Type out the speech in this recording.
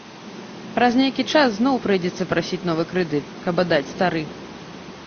Праз нейкі час зноў прыйдзецца прасіць новы крэдыт, каб аддаць стары.